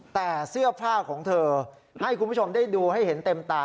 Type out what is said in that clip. แต่เสื้อผ้าของเธอให้คุณผู้ชมได้ดูให้เห็นเต็มตา